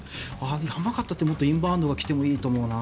山形ってもっとインバウンドが来てもいいと思うな。